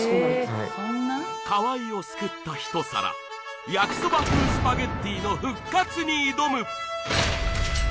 はい河合を救った一皿焼きそば風スパゲッティの復活に挑む！